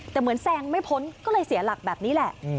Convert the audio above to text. แต่เหมือนแซงไม่พ้นก็เลยเสียหลักแบบนี้แหละ